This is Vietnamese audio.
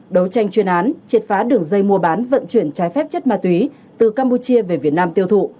đấu tranh chuyên án triệt phá đường dây mua bán vận chuyển trái phép chất ma túy từ campuchia về việt nam tiêu thụ